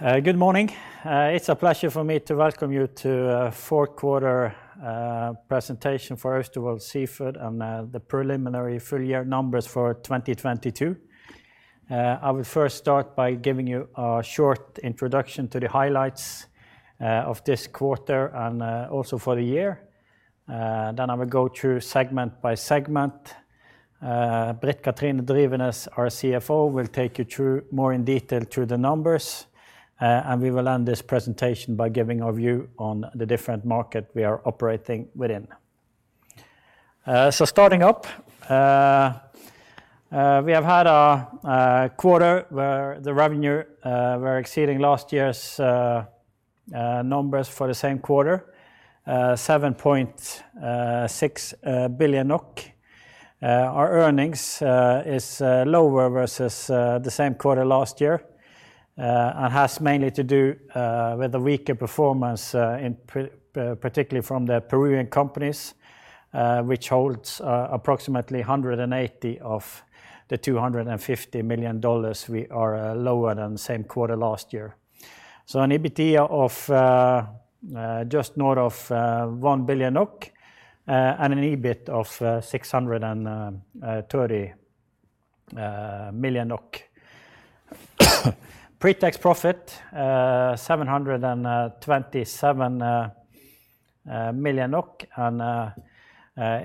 Good morning. It's a pleasure for me to welcome you to fourth quarter presentation for Austevoll Seafood and the preliminary full year numbers for 2022. I will first start by giving you a short introduction to the highlights of this quarter and also for the year. Then I will go through segment by segment. Britt Kathrine Drivenes, our CFO, will take you through more in detail through the numbers, and we will end this presentation by giving our view on the different market we are operating within. Starting up, we have had a quarter where the revenue were exceeding last year's numbers for the same quarter, 7.6 billion NOK./ ower versus the same quarter last year and has mainly to do with the weaker performance, particularly from the Peruvian companies, which holds approximately 180 of the $250 million we are lower than the same quarter last year. An EBITDA of just north of 1 billion NOK and an EBIT of 630 million NOK. Pretax profit, 727 million NOK,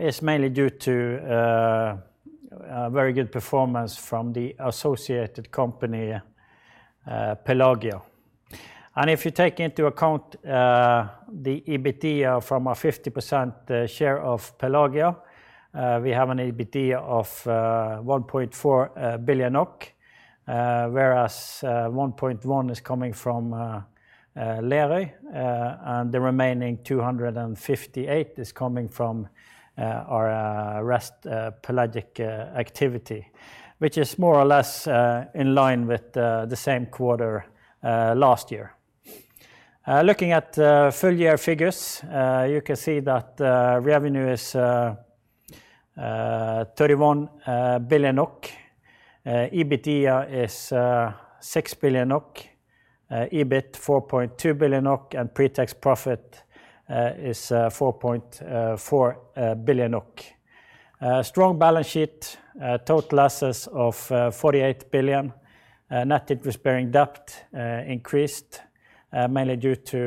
is mainly due to a very good performance from the associated company, Pelagia If you take into account the EBITDA from our 50% share of Pelagia, we have an EBITDA of 1.4 billion, whereas 1.1 billion is coming from Lerøy, and the remaining 258 million is coming from our rest pelagic activity, which is more or less in line with the same quarter last year. Looking at full year figures, you can see that revenue is 31 billion NOK. EBITDA is 6 billion NOK. EBIT 4.2 billion NOK, and pretax profit is 4.4 billion NOK. Strong balance sheet, total assets of 48 billion. Net interest-bearing debt increased mainly due to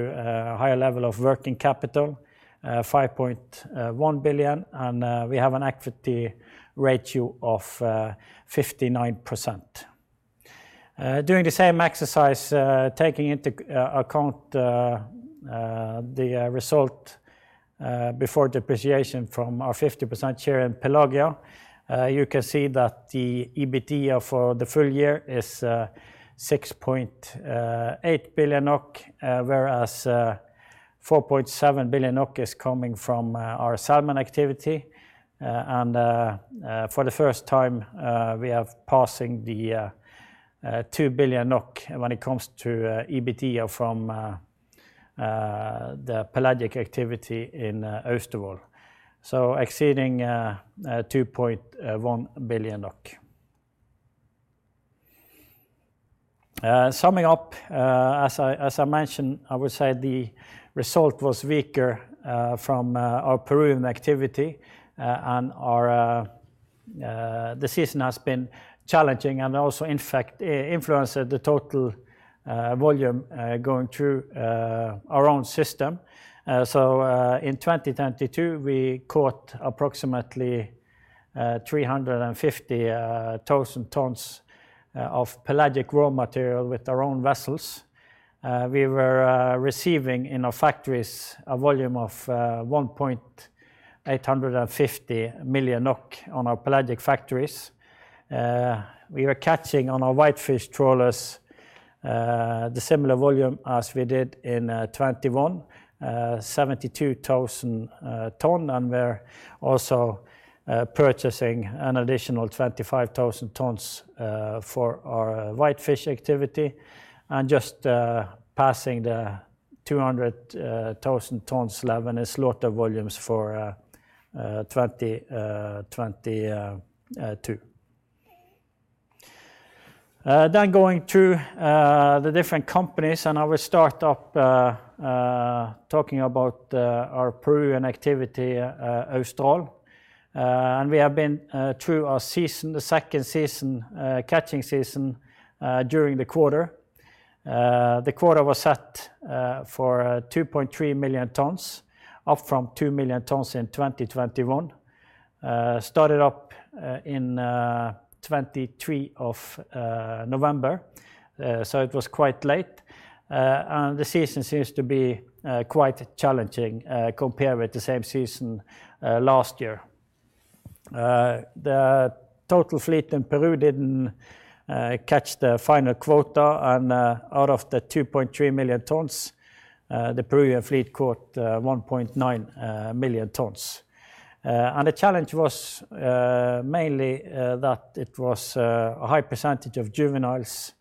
higher level of working capital, 5.1 billion, and we have an equity ratio of 59%. Doing the same exercise, taking into account the result before depreciation from our 50% share in Pelagia, you can see that the EBITDA for the full year is 6.8 billion NOK, whereas 4.7 billion NOK is coming from our salmon activity. For the first time, we have passing the 2 billion NOK when it comes to EBITDA from the pelagic activity in Austevoll. Exceeding 2.1 billion. Summing up, as I mentioned, I would say the result was weaker from our Peruvian activity, and our the season has been challenging and also influenced the total volume going through our own system. In 2022, we caught approximately 350,000 tons of pelagic raw material with our own vessels. We were receiving in our factories a volume of 1.850 million NOK on our pelagic factories. We were catching on our whitefish trawlers the similar volume as we did in 2021, 72,000 ton. We're also purchasing an additional 25,000 tons for our whitefish activity and just passing the 200,000 tons level in slaughter volumes for 2022. Going through the different companies, and I will start up talking about our Peruvian activity, Austral. We have been through our season, the second season, catching season during the quarter. The quarter was set for 2.3 million tons, up from 2 million tons in 2021. Started up in 23 of November, so it was quite late. The season seems to be quite challenging compared with the same season last year. The total fleet in Peru didn't catch the final quota, and out of the 2.3 million tons, the Peruvian fleet caught 1.9 million tons. The challenge was mainly that it was a high % of juveniles,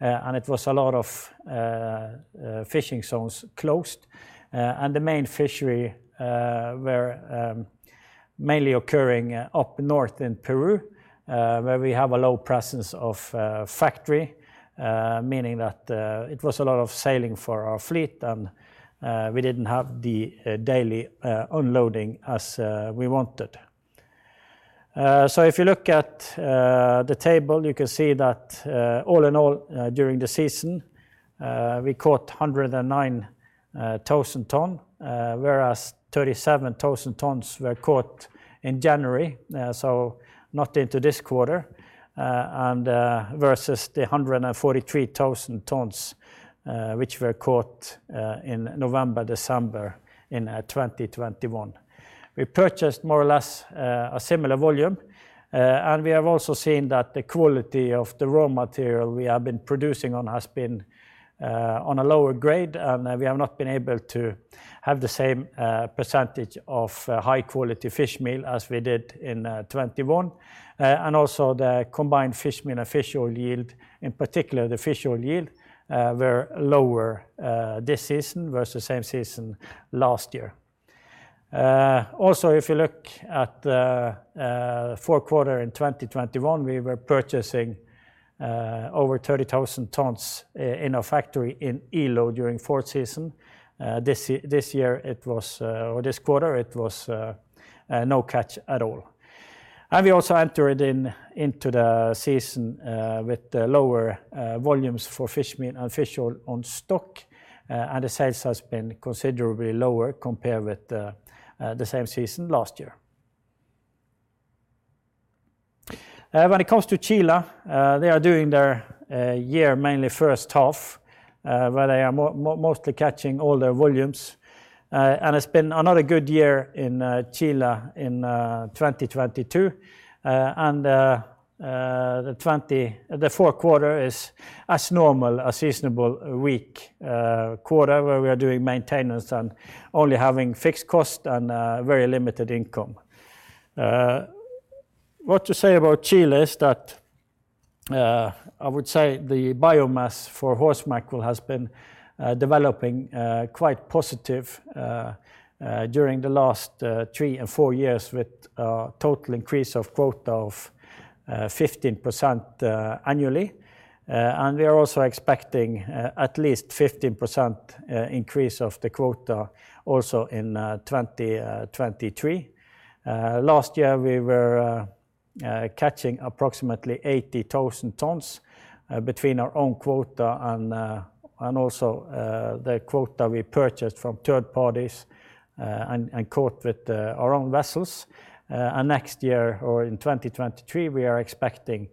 and it was a lot of fishing zones closed. The main fishery were mainly occurring up north in Peru. Where we have a low presence of factory, meaning that it was a lot of sailing for our fleet, and we didn't have the daily unloading as we wanted. Uh, so if you look at, uh, the table, you can see that, uh, all in all, uh, during the season, uh, we caught hundred and nine, uh, thousand ton, uh, whereas thirty-seven thousand tons were caught in January, uh, so not into this quarter, uh, and, uh, versus the hundred and forty-three thousand tons, uh, which were caught, uh, in November, December in, uh, twenty twenty-one. We purchased more or less, uh, a similar volume, uh, and we have also seen that the quality of the raw material we have been producing on has been, uh, on a lower grade, and we have not been able to have the same, uh, percentage of, uh, high quality fish meal as we did in, uh, twenty-one. Also the combined fish meal and fish oil yield, in particular the fish oil yield, were lower this season versus same season last year. Also, if you look at the fourth quarter in 2021, we were purchasing over 30,000 tons in our factory in Ilo during fourth season. This year it was, or this quarter it was, no catch at all. We also entered into the season with lower volumes for fish meal and fish oil on stock, and the sales has been considerably lower compared with the same season last year. When it comes to Chile, they are doing their year mainly first half, where they are mostly catching all their volumes. It's been another good year in Chile in 2022. The fourth quarter is as normal, a seasonable weak quarter, where we are doing maintenance and only having fixed cost and very limited income. What to say about Chile is that I would say the biomass for horse mackerel has been developing quite positive during the last three and four years with a total increase of quota of 15% annually. We are also expecting at least 15% increase of the quota also in 2023. Last year, we were catching approximately 80,000 tons between our own quota and also the quota we purchased from third parties and caught with our own vessels. Next year or in 2023, we are expecting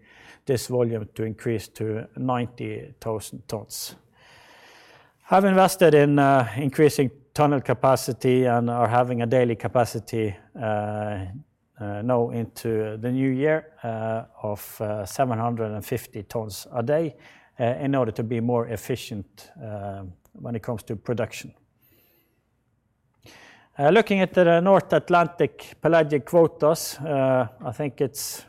this volume to increase to 90,000 tons. Have invested in increasing tunnel capacity and are having a daily capacity now into the new year of 750 tons a day in order to be more efficient when it comes to production. Looking at the North Atlantic pelagic quotas, I think it's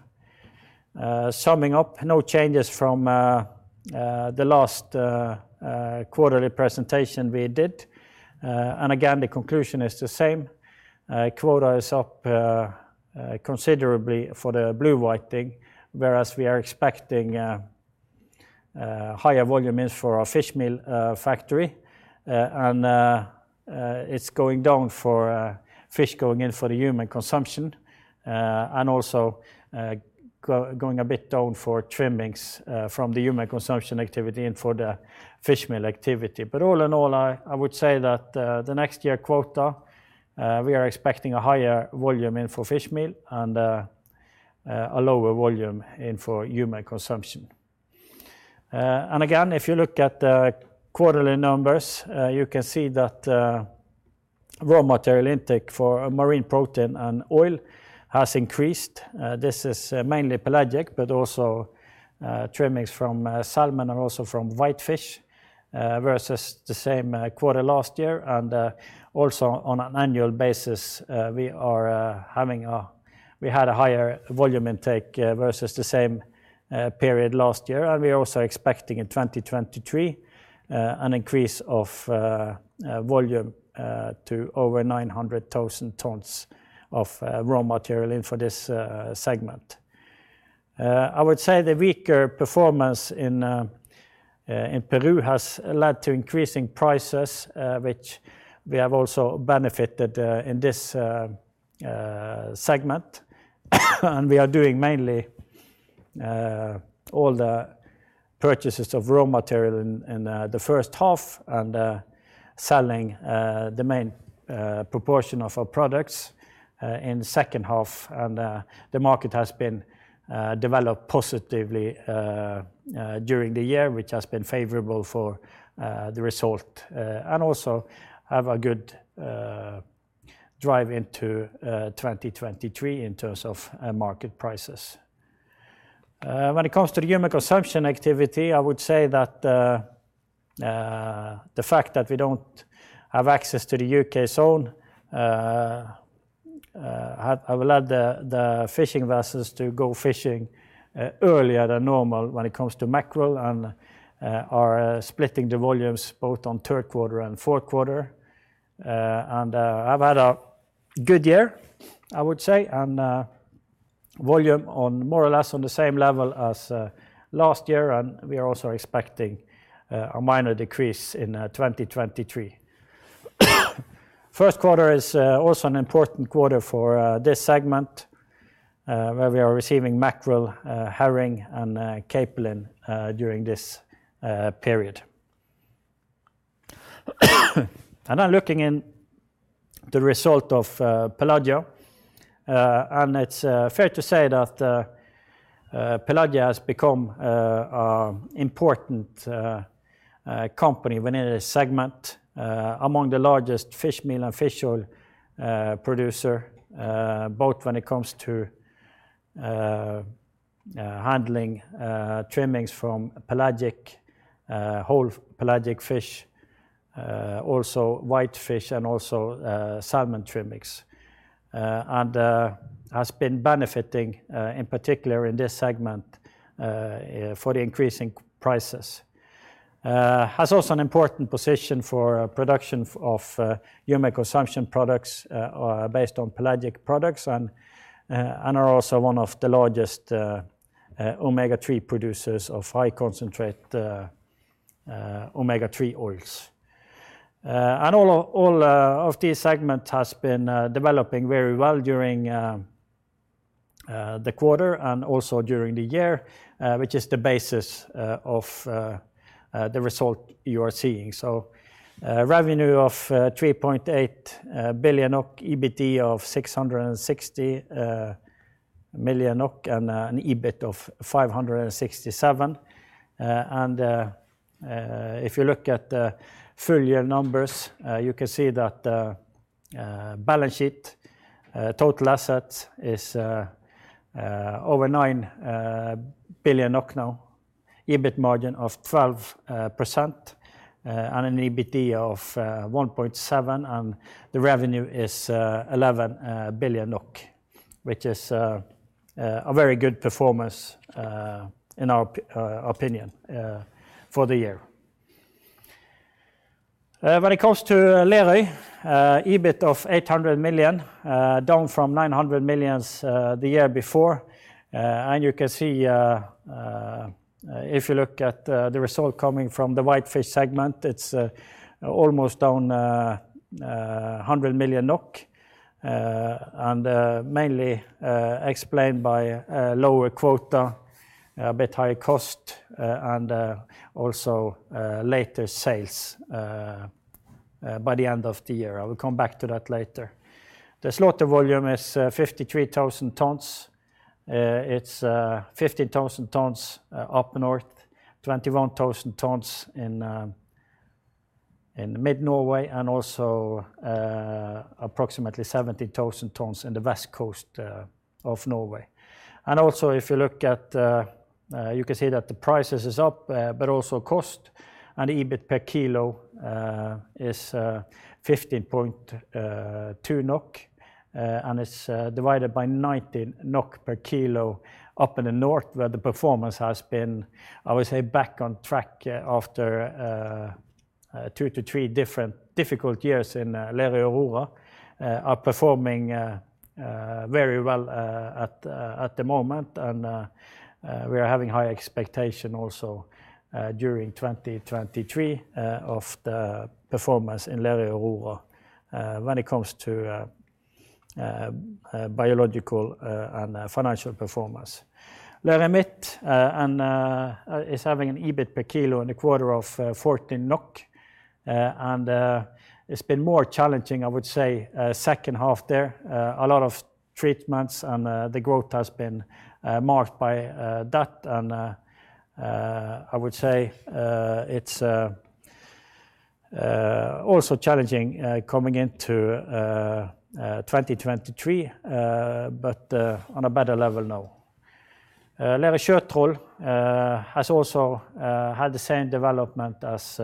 summing up no changes from the last quarterly presentation we did. Again, the conclusion is the same. Quota is up, considerably for the blue whiting, whereas we are expecting higher volume in for our fish meal factory. It's going down for fish going in for the human consumption, and also going a bit down for trimmings from the human consumption activity and for the fish meal activity. All in all, I would say that the next year quota, we are expecting a higher volume in for fish meal and a lower volume in for human consumption. Again, if you look at the quarterly numbers, you can see that raw material intake for marine protein and oil has increased. This is mainly pelagic, but also trimmings from salmon and also from whitefish versus the same quarter last year. Also on an annual basis, we had a higher volume intake versus the same period last year. We are also expecting in 2023 an increase of volume to over 900,000 tons of raw material in for this segment. I would say the weaker performance in Peru has led to increasing prices, which we have also benefited in this segment. We are doing mainly all the purchases of raw material in the first half and selling the main proportion of our products in the second half. The market has been developed positively during the year, which has been favorable for the result and also have a good drive into 2023 in terms of market prices. When it comes to the human consumption activity, I would say that the fact that we don't have access to the UK zone have led the fishing vessels to go fishing earlier than normal when it comes to mackerel and are splitting the volumes both on third quarter and fourth quarter. I've had a good year I would say, and volume on more or less on the same level as last year and we are also expecting a minor decrease in 2023. First quarter is also an important quarter for this segment, where we are receiving mackerel, herring and capelin during this period. Now looking in the result of Pelagia, and it's fair to say that Pelagia has become important company within a segment, among the largest fish meal and fish oil producer, both when it comes to handling trimmings from pelagic, whole pelagic fish, also whitefish and also salmon trimmings, and has been benefiting in particular in this segment for the increasing prices. has also an important position for production of human consumption products based on pelagic products and are also one of the largest omega-3 producers of high concentrate omega-3 oils. All of this segment has been developing very well during the quarter and also during the year, which is the basis of the result you are seeing. revenue of 3.8 billion NOK, EBIT of 660 million NOK and an EBIT of 567 million NOK. If you look at the full year numbers, you can see that balance sheet total assets is over 9 billion NOK now, EBIT margin of 12%, and an EBIT of 1.7 billion, and the revenue is 11 billion NOK, which is a very good performance in our opinion for the year. When it comes to Lerøy, EBIT of 800 million, down from 900 million the year before, and you can see, if you look at the result coming from the whitefish segment, it's almost down 100 million NOK, and mainly explained by lower quota, a bit high cost, and also later sales by the end of the year. I will come back to that later. The slaughter volume is 53,000 tons. It's 15,000 tons up north, 21,000 tons in mid-Norway, and also approximately 70,000 tons in the west coast of Norway. Also if you look at, you can see that the prices is up, but also cost and EBIT per kilo, is 15.2 NOK, and it's divided by 19 NOK per kilo up in the north, where the performance has been, I would say, back on track after two to three different difficult years in Lerøy Aurora, are performing very well, at the moment. We are having high expectation also, during 2023, of the performance in Lerøy Aurora, when it comes to biological, and financial performance. / Lerøy Midt is having an EBIT per kilo in the quarter of 14 NOK, and it's been more challenging, I would say, second half there, a lot of treatments and the growth has been marked by that. I would say it's also challenging coming into 2023, but on a better level now. Lerøy Sjøtroll has also had the same development as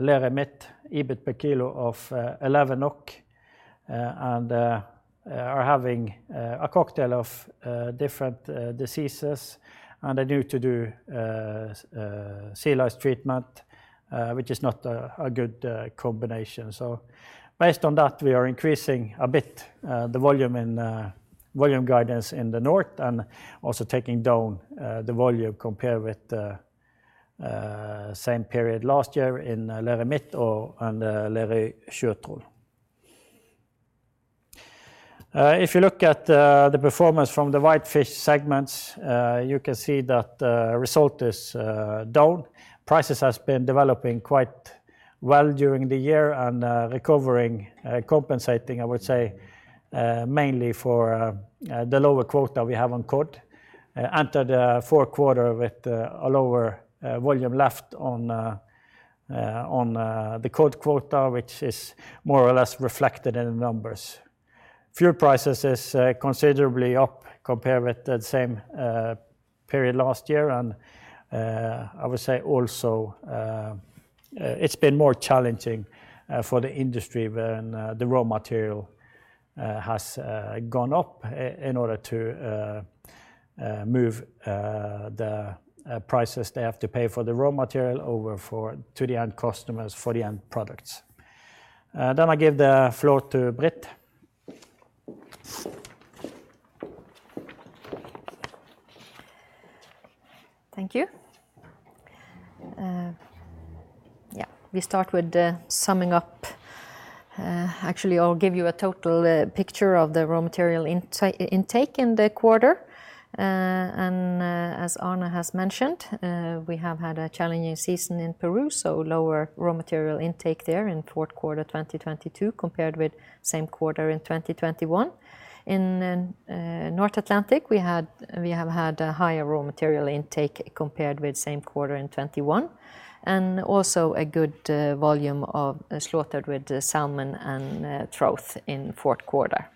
Lerøy Midt, EBIT per kilo of 11 NOK, and are having a cocktail of different diseases and are due to do sea lice treatment, which is not a good combination. Based on that, we are increasing a bit the volume in volume guidance in the north and also taking down the volume compared with same period last year in Lerøy Midt or, and, Lerøy Sjøtroll. If you look at the performance from the whitefish segments, you can see that result is down. Prices has been developing quite well during the year and recovering, compensating, I would say, mainly for the lower quota we have on cod. Entered the 4th quarter with a lower volume left on the cod quota, which is more or less reflected in the numbers. Fuel prices is considerably up compared with the same period last year. I would say also it's been more challenging for the industry when the raw material has gone up in order to move the prices they have to pay for the raw material over to the end customers for the end products. I give the floor to Britt. Thank you. We start with summing up. Actually, I'll give you a total picture of the raw material intake in the quarter. As Arne has mentioned, we have had a challenging season in Peru, so lower raw material intake there in fourth quarter 2022 compared with same quarter in 2021. In North Atlantic, we have had a higher raw material intake compared with same quarter in 2021, and also a good volume of slaughtered with the salmon and trout in fourth quarter.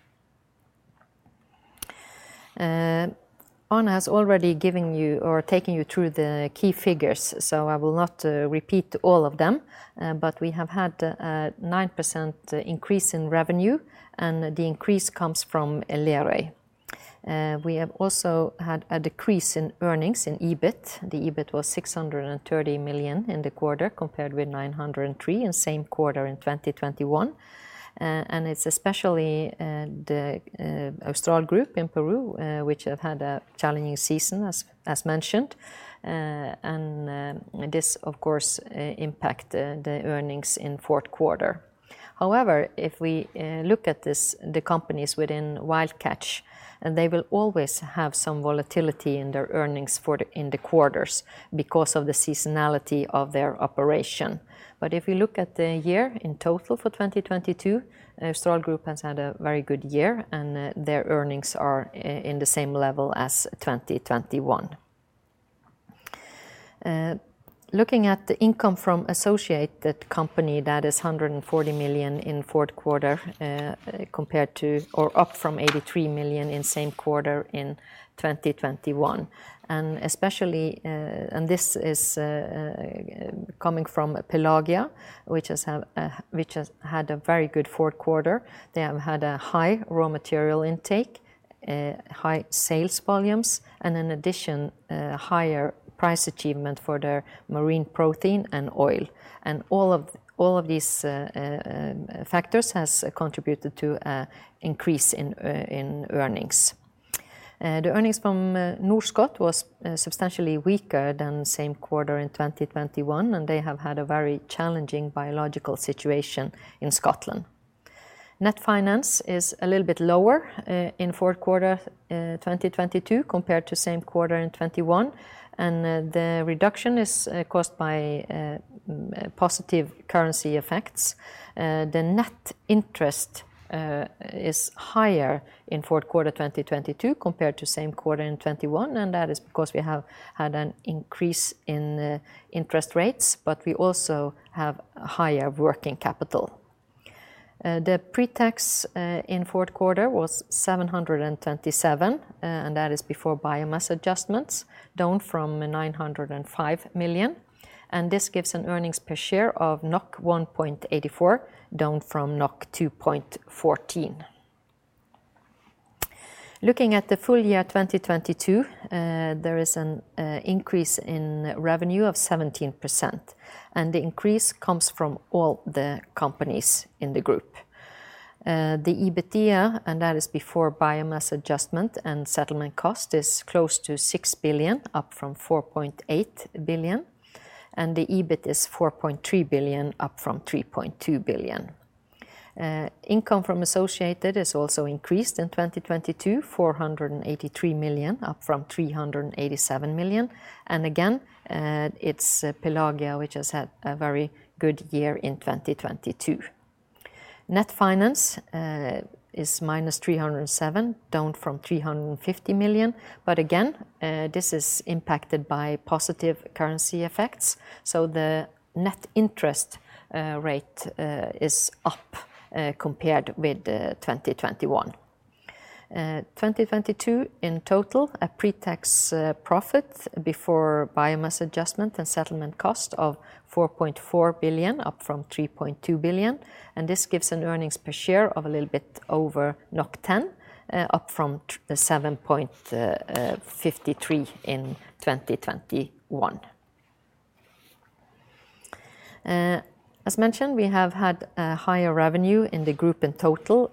Arne has already given you or taken you through the key figures, so I will not repeat all of them. We have had a 9% increase in revenue, and the increase comes from Lerøy. We have also had a decrease in earnings in EBIT. The EBIT was 630 million in the quarter compared with 903 in same quarter in 2021. It's especially the Austral Group in Peru which have had a challenging season as mentioned. This of course impact the earnings in fourth quarter. However, if we look at this, the companies within Wild Catch, they will always have some volatility in their earnings in the quarters because of the seasonality of their operation. If you look at the year in total for 2022, Austral Group has had a very good year, their earnings are in the same level as 2021. Looking at the income from associated company, that is 140 million in fourth quarter, compared to or up from 83 million in same quarter in 2021. Especially, this is coming from Pelagia, which has had a very good fourth quarter. They have had a high raw material intake, high sales volumes, and in addition, higher price achievement for their marine protein and oil. All of these factors has contributed to increase in earnings. The earnings from Norskott was substantially weaker than same quarter in 2021. They have had a very challenging biological situation in Scotland. Net finance is a little bit lower in fourth quarter 2022 compared to same quarter in 2021. The reduction is caused by positive currency effects. The net interest is higher in fourth quarter 2022 compared to same quarter in 2021, and that is because we have had an increase in interest rates, but we also have higher working capital. The pre-tax in fourth quarter was 727, and that is before biomass adjustments, down from 905 million. This gives an earnings per share of 1.84, down from 2.14. Looking at the full year 2022, there is an increase in revenue of 17%. The increase comes from all the companies in the group. The EBITDA, and that is before biomass adjustments and settlement cost, is close to 6 billion, up from 4.8 billion. The EBIT is 4.3 billion, up from 3.2 billion. Income from associated is also increased in 2022, 483 million, up from 387 million. Again, it's Pelagia which has had a very good year in 2022. Net finance is -307 million, down from 350 million. Again, this is impacted by positive currency effects, so the net interest rate is up compared with 2021. 2022 in total, a pre-tax profit before biomass adjustment and settlement cost of 4.4 billion, up from 3.2 billion. This gives an earnings per share of a little bit over 10, up from 7.53 in 2021. As mentioned, we have had a higher revenue in the group in total.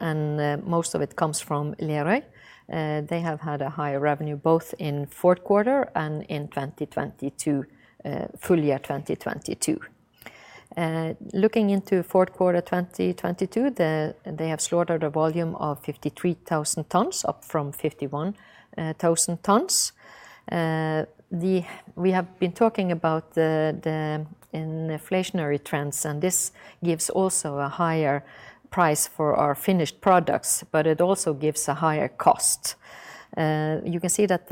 Most of it comes from Lerøy. They have had a higher revenue both in fourth quarter and in 2022, full year 2022. Looking into fourth quarter 2022, they have slaughtered a volume of 53,000 tons, up from 51,000 tons. We have been talking about inflationary trends. This gives also a higher price for our finished products. It also gives a higher cost. You can see that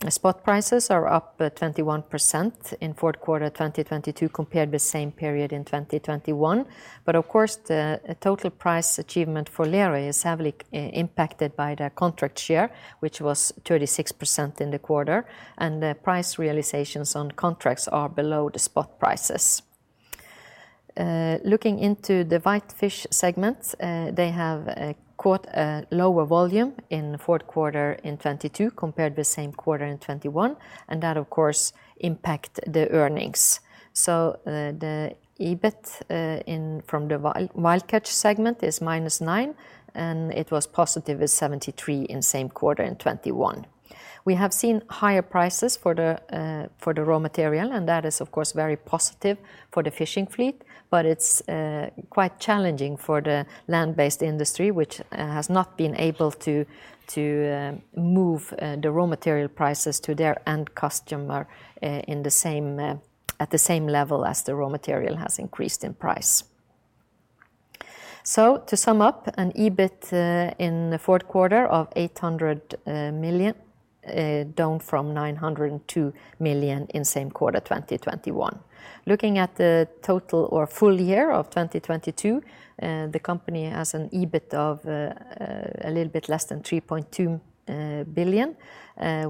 the spot prices are up 21% in fourth quarter 2022 compared with same period in 2021. The total price achievement for Lerøy is heavily impacted by the contract share, which was 36% in the quarter, and the price realizations on contracts are below the spot prices. Looking into the white fish segments, they have caught a lower volume in the fourth quarter in 2022 compared with same quarter in 2021, and that of course impact the earnings. The EBIT from the Wild Catch segment is -9, and it was positive at 73 in same quarter in 2021. We have seen higher prices for the for the raw material, and that is of course very positive for the fishing fleet, but it's quite challenging for the land-based industry which has not been able to move the raw material prices to their end customer, in the same at the same level as the raw material has increased in price. To sum up, an EBIT in the fourth quarter of 800 million, down from 902 million in same quarter 2021. Looking at the total or full year of 2022, the company has an EBIT of a little bit less than 3.2 billion,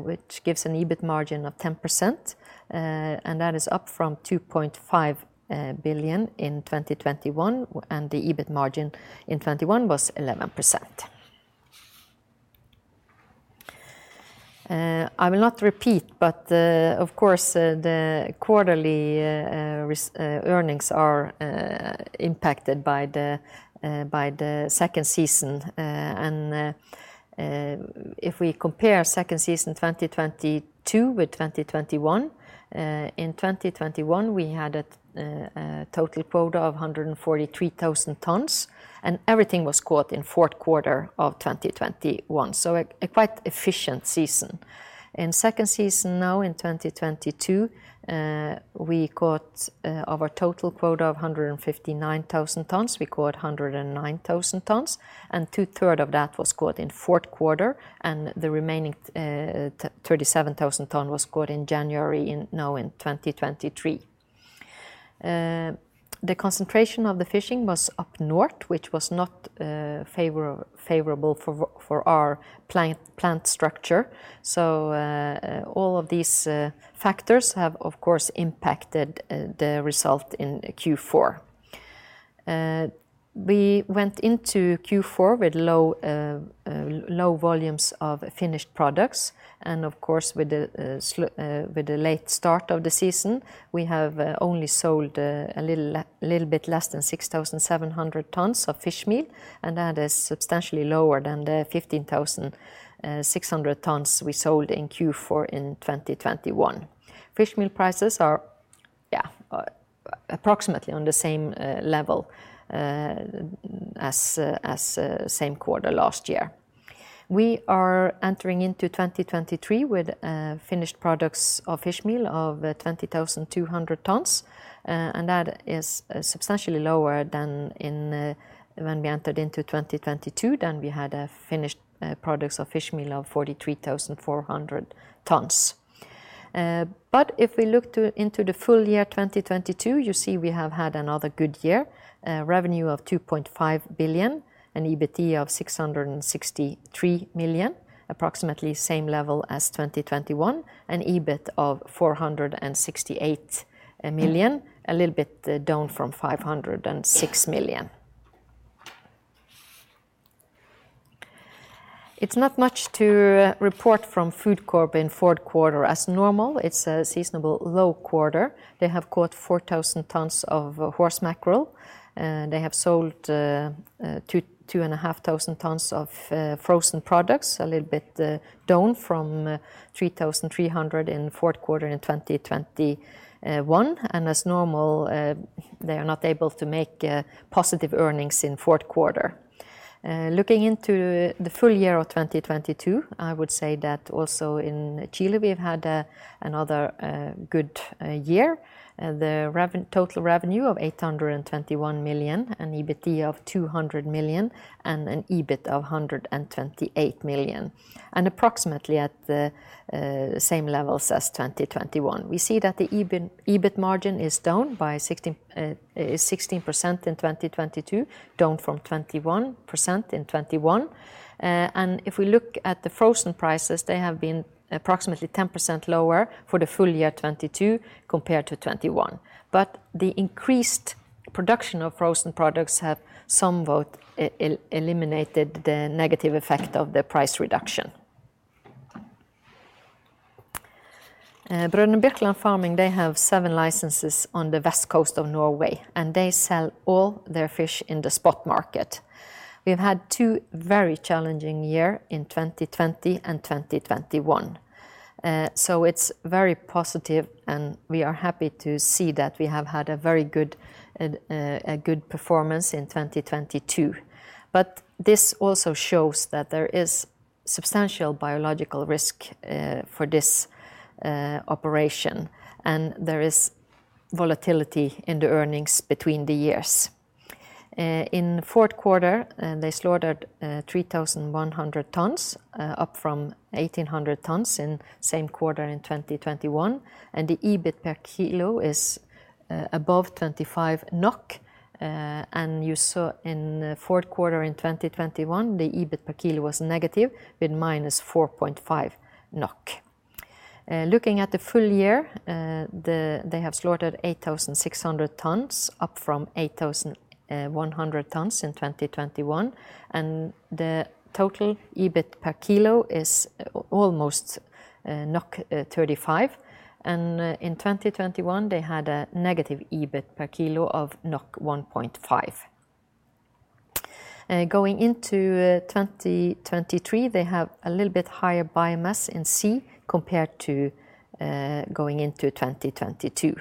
which gives an EBIT margin of 10%. That is up from 2.5 billion in 2021, and the EBIT margin in 2021 was 11%. I will not repeat, of course, the quarterly earnings are impacted by the second season. If we compare second season 2022 with 2021, in 2021 we had a total quota of 143,000 tons, and everything was caught in fourth quarter of 2021, a quite efficient season. In second season now in 2022, we caught of our total quota of 159,000 tons, we caught 109,000 tons, two third of that was caught in fourth quarter, the remaining 37,000 ton was caught in January in now in 2023. The concentration of the fishing was up north, which was not favorable for our plant structure, all of these factors have of course impacted the result in Q4. We went into Q4 with low, low volumes of finished products and of course with the late start of the season, we have only sold a little bit less than 6,700 tons of fish meal, and that is substantially lower than the 15,600 tons we sold in Q4 in 2021. Fish meal prices are, yeah, approximately on the same level as same quarter last year. We are entering into 2023 with finished products of fish meal of 20,200 tons, and that is substantially lower than when we entered into 2022. We had finished products of fish meal of 43,400 tons. If we look into the full year 2022, you see we have had another good year. Revenue of 2.5 billion, an EBIT of 663 million, approximately same level as 2021, an EBIT of 468 million, a little bit down from 506 million. It's not much to report from Food Corp in fourth quarter. As normal, it's a seasonable low quarter. They have caught 4,000 tons of horse mackerel. They have sold 2,500 tons of frozen products, a little bit down from 3,300 in fourth quarter in 2021. As normal, they are not able to make positive earnings in fourth quarter. Looking into the full year of 2022, I would say that also in Chile we've had another good year. The total revenue of 821 million, an EBIT of 200 million, and an EBIT of 128 million. Approximately at the same levels as 2021. We see that the EBIT margin is down by 16% in 2022, down from 21% in 2021. If we look at the frozen prices, they have been approximately 10% lower for the full year 2022 compared to 2021. But the increased production of frozen products have somewhat eliminated the negative effect of the price reduction. Brødrene Birkeland Farming, they have seven licenses on the west coast of Norway, and they sell all their fish in the spot market. / We've had two very challenging year in 2020 and 2021. It's very positive, and we are happy to see that we have had a very good performance in 2022. This also shows that there is substantial biological risk for this operation, and there is volatility in the earnings between the years. In fourth quarter, they slaughtered 3,100 tons up from 1,800 tons in same quarter in 2021, and the EBIT per kilo is above 25 NOK. You saw in the fourth quarter in 2021, the EBIT per kilo was negative with -4.5 NOK. Looking at the full year, they have slaughtered 8,600 tons up from 8,100 tons in 2021. The total EBIT per kilo is almost 35. In 2021, they had a negative EBIT per kilo of 1.5. Going into 2023, they have a little bit higher biomass in sea compared to going into 2022.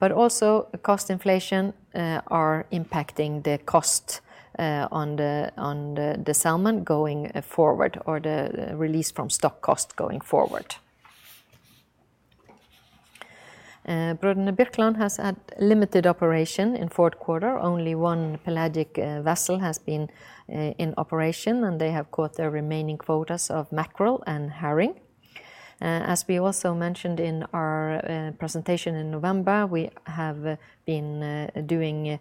Also cost inflation are impacting the cost on the salmon going forward or the release from stock cost going forward. Brødrene Birkeland has had limited operation in fourth quarter. Only one pelagic vessel has been in operation, and they have caught their remaining quotas of mackerel and herring. As we also mentioned in our presentation in November, we have been doing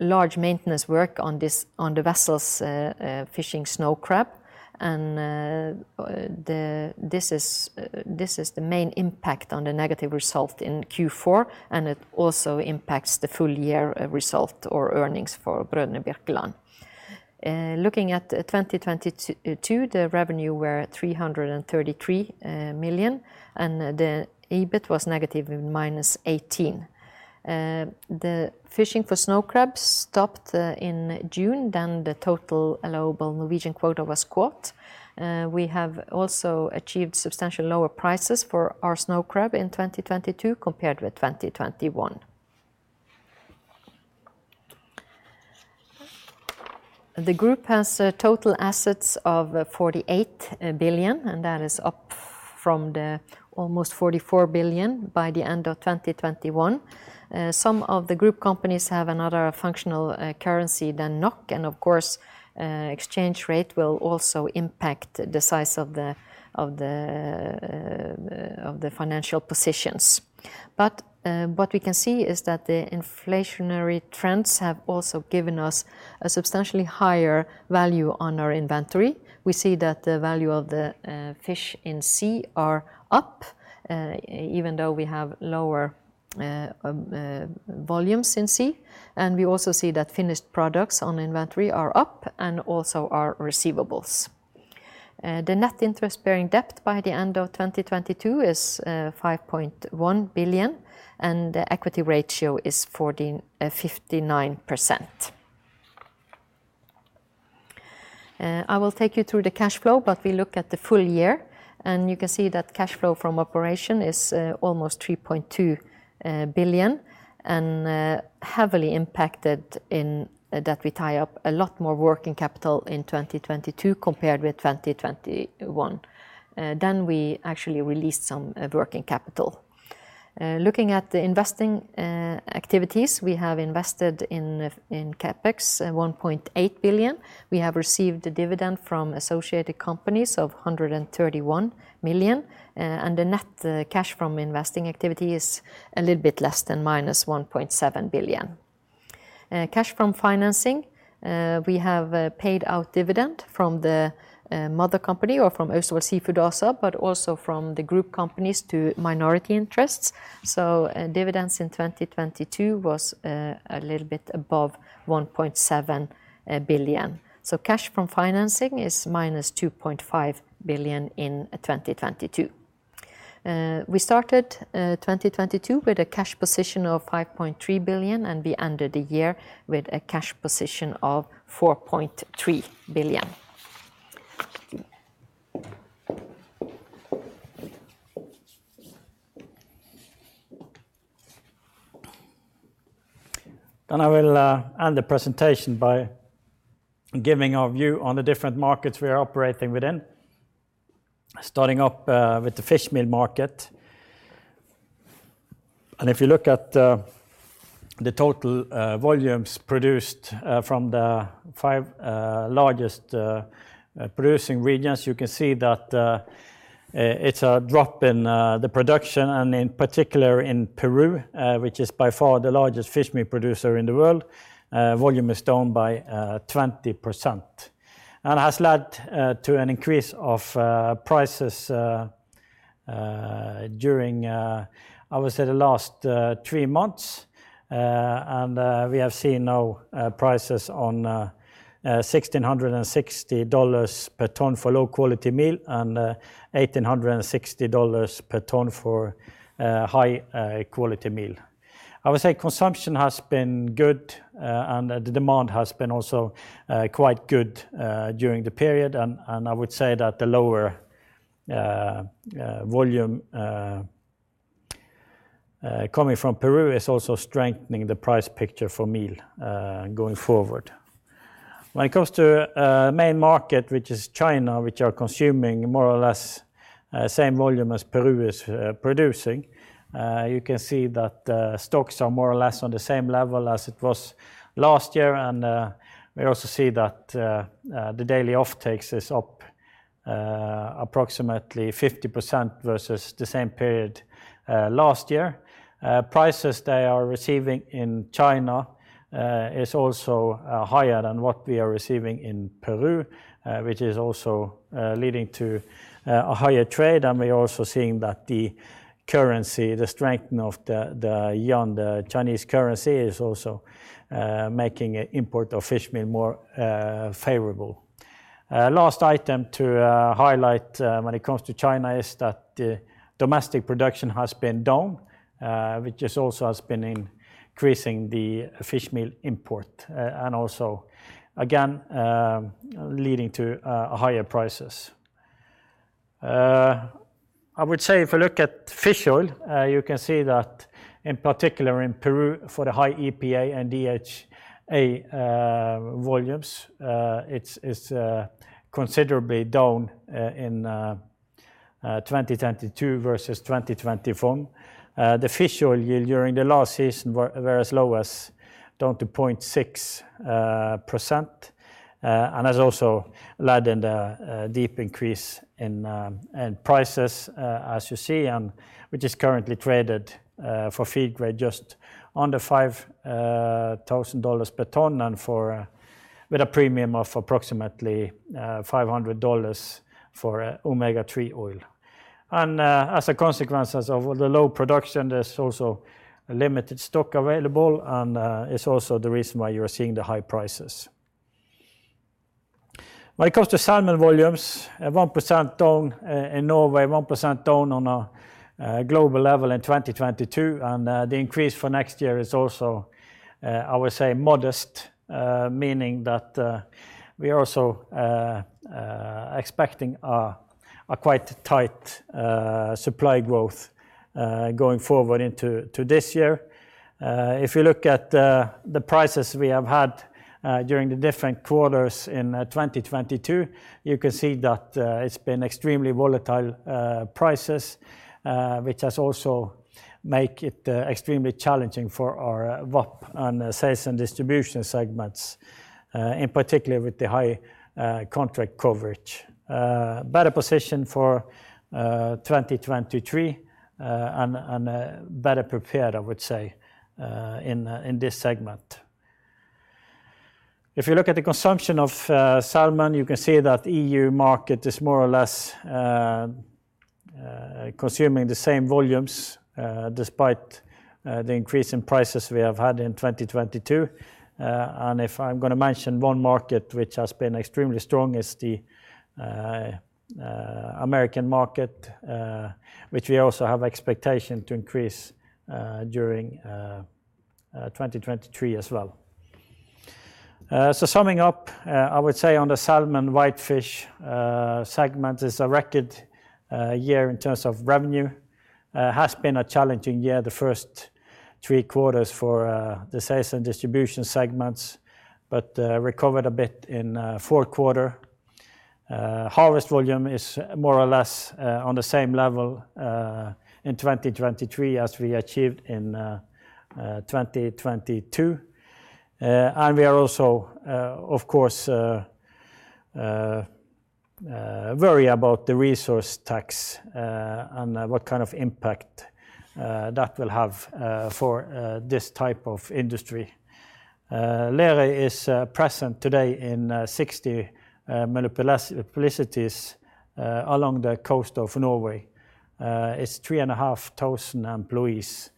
large maintenance work on the vessels fishing snow crab. This is the main impact on the negative result in Q4, and it also impacts the full year result or earnings for Brødrene Birkeland. Looking at 2022, the revenue were 333 million, and the EBIT was negative -18. The fishing for snow crabs stopped in June, then the Total Allowable Norwegian Quota was caught. We have also achieved substantial lower prices for our snow crab in 2022 compared with 2021. The group has total assets of 48 billion, and that is up from the almost 44 billion by the end of 2021. Some of the group companies have another functional currency than NOK, and of course, exchange rate will also impact the size of the financial positions. What we can see is that the inflationary trends have also given us a substantially higher value on our inventory. We see that the value of the fish in sea are up, even though we have lower volumes in sea. We also see that finished products on inventory are up and also our receivables. The net interest-bearing debt by the end of 2022 is 5.1 billion, and the equity ratio is 59%. I will take you through the cash flow, we look at the full year, you can see that cash flow from operation is almost 3.2 billion and heavily impacted in that we tie up a lot more working capital in 2022 compared with 2021. We actually released some working capital. Looking at the investing activities, we have invested in CapEx 1.8 billion. We have received a dividend from associated companies of 131 million, and the net cash from investing activity is a little bit less than minus 1.7 billion. Cash from financing, we have paid out dividend from the mother company or from Asterå Seafood also, but also from the group companies to minority interests. Dividends in 2022 was a little bit above 1.7 billion. Cash from financing is minus 2.5 billion in 2022. We started 2022 with a cash position of 5.3 billion, and we ended the year with a cash position of 4.3 billion. I will end the presentation by giving our view on the different markets we are operating within, starting up with the fish meal market. If you look at the total volumes produced from the five largest producing regions, you can see that it's a drop in the production and in particular in Peru, which is by far the largest fish meal producer in the world. Volume is down by 20% and has led to an increase of prices during I would say the last three months. We have seen now prices on $1,660 per ton for low-quality meal and $1,860 per ton for high-quality meal. I would say consumption has been good, and the demand has been also quite good during the period. I would say that the lower volume coming from Peru is also strengthening the price picture for meal going forward. When it comes to main market, which is China, which are consuming more or less same volume as Peru is producing, you can see that the stocks are more or less on the same level as it was last year. We also see that the daily offtakes is up approximately 50% versus the same period last year. Prices they are receiving in China is also higher than what we are receiving in Peru, which is also leading to a higher trade. We're also seeing that the currency, the strengthening of the yuan, the Chinese currency, is also making import of fishmeal more favorable. Last item to highlight when it comes to China is that domestic production has been down, which is also has been increasing the fishmeal import, and also again, leading to higher prices. I would say if you look at fish oil, you can see that in particular in Peru for the high EPA and DHA volumes, it's considerably down in 2022 versus 2021. The fish oil yield during the last season were as low as down to 0.6% and has also led in the deep increase in prices as you see, and which is currently traded for feed-grade just under $5,000 per ton and for, with a premium of approximately $500 for omega-3 oil. As a consequences of the low production, there's also limited stock available, and it's also the reason why you're seeing the high prices. When it comes to salmon volumes, at 1% down in Norway, 1% down on a global level in 2022. The increase for next year is also, I would say, modest, meaning that we are also expecting a quite tight supply growth going forward into this year. If you look at the prices we have had during the different quarters in 2022, you can see that it's been extremely volatile prices, which has also make it extremely challenging for our VOP and sales and distribution segments, in particular with the high contract coverage. Better position for 2023, and better prepared, I would say, in this segment. If you look at the consumption of salmon, you can see that EU market is more or less consuming the same volumes despite the increase in prices we have had in 2022. If I'm gonna mention one market which has been extremely strong is the American market, which we also have expectation to increase during 2023 as well. Summing up, I would say on the salmon whitefish segment is a record year in terms of revenue. Has been a challenging year, the first three quarters for the sales and distribution segments, but recovered a bit in fourth quarter. Harvest volume is more or less on the same level in 2023 as we achieved in 2022. We are also worried about the resource rent tax and what kind of impact that will have for this type of industry. Lerøy is present today in 60 municipalities along the coast of Norway. It is 3,500 employees,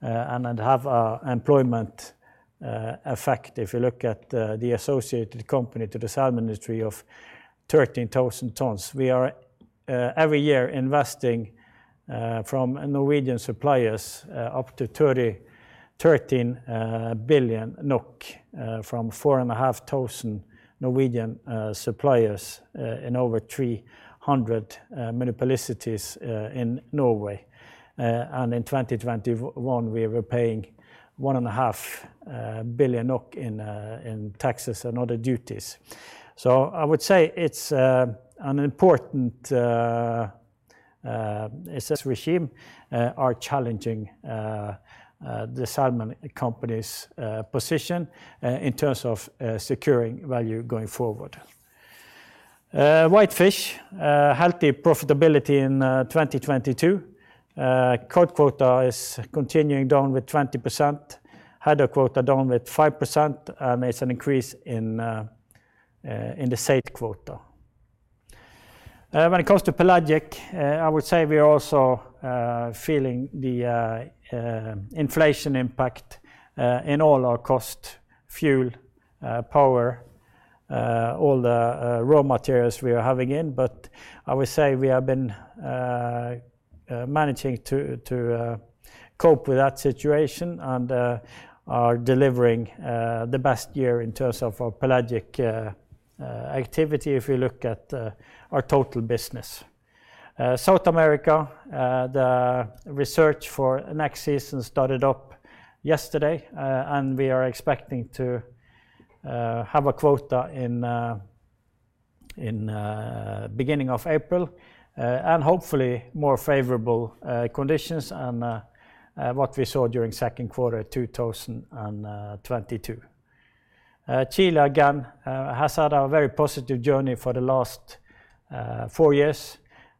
and it has an employment effect if you look at the associated company to the salmon industry of 13,000 tons. We are every year investing from Norwegian suppliers up to 13 billion NOK from 4,500 Norwegian suppliers in over 300 municipalities in Norway. In 2021, we were paying 1.5 billion in taxes and other duties. I would say it's an important assess regime, are challenging the salmon company's position in terms of securing value going forward. Whitefish, healthy profitability in 2022. Cod quota is continuing down with 20%. Haddock quota down with 5%, and there's an increase in the skate quota. When it comes to pelagic, I would say we are also feeling the inflation impact in all our cost, fuel, power, all the raw materials we are having in. I would say we have been managing to cope with that situation and are delivering the best year in terms of our pelagic activity if you look at our total business. South America, the research for next season started up yesterday, and we are expecting to have a quota in beginning of April and hopefully more favorable conditions than what we saw during second quarter 2022. Chile again has had a very positive journey for the last four years,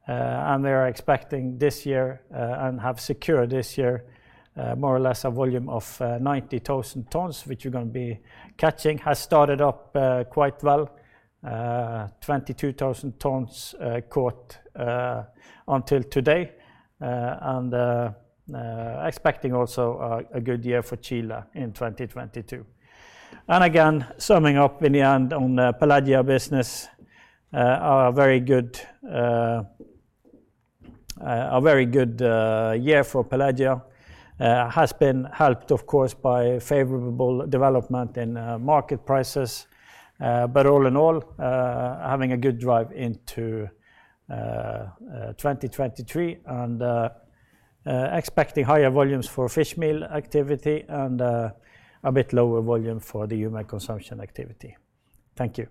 and they are expecting this year and have secured this year more or less a volume of 90,000 tons, which we're gonna be catching, has started up quite well. 22,000 tons caught until today, and expecting also a good year for Chile in 2022. Again, summing up in the end on the Pelagia business, a very good year for Pelagia has been helped, of course, by favorable development in market prices. All in all, having a good drive into 2023 and expecting higher volumes for fish meal activity and a bit lower volume for the human consumption activity. Thank you.